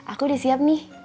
aku udah siap nih